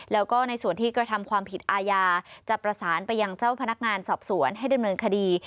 แล้วก็ในส่วนที่กระทำความผิดอาญาจะประสานไปยังเจ้าพนักงานสอบสวนให้ดำเนินคดี